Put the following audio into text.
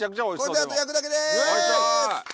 これであと焼くだけです。